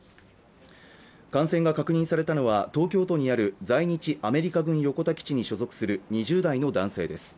感染が確認されたのは東京都にある在日アメリカ軍横田基地に所属する２０代の男性です